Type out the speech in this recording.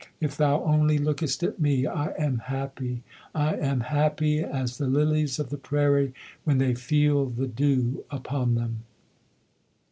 If thou only lookest at me, I am happy, I am happy As the lilies of the prairie, When they feel the dew upon them!